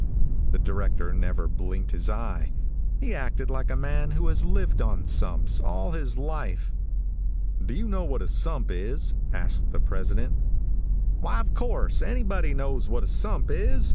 The director never blinked his eye. He acted like a man who has lived on sumps all his life. "Do you know what a sump is?" asked the president. "Why, of course, anybody knows what a sump is.